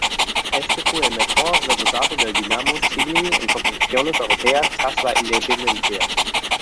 Este fue el mejor resultado del Dinamo Tbilisi en competiciones europeas tras la independencia.